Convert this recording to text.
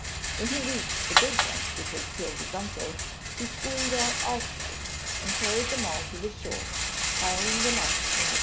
When he reached the big one which had killed his uncle, he slew that also, and carried them all to the shore, piling them up in the canoe.